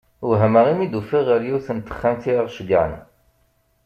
Wehmeɣ mi d-ufiɣ ɣer yiwet n texxamt i aɣ-ceggɛen.